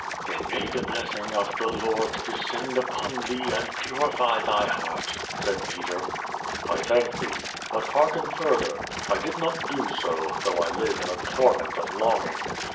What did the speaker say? "Then may the blessing of the Lord descend upon thee and purify thy heart," said I*eter. "I thank thee. But hearken further. I did not do so, though I live in a torment of longing.